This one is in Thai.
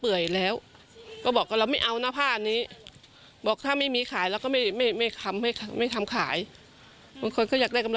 เพราะคุณภาพผ้าสีดำในตลาดต่ำกว่ามาตรฐานมาก